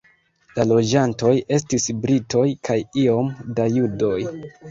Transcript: La loĝantoj estis britoj kaj iom da judoj.